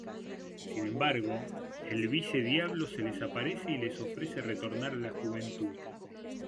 Sin embargo, el Vice-Diablo se les aparece y les ofrece retornar a la juventud.